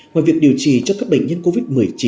ngoài việc điều trị cho các bệnh nhân covid một mươi chín